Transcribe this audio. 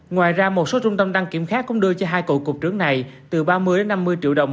ngoài ra một số trung tâm đăng kiểm khác cũng đưa cho hai cậu cục trưởng này từ ba mươi năm mươi triệu đồng